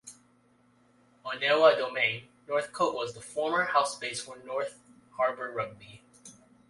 Onewa Domain, Northcote was the former home base for North Harbour rugby.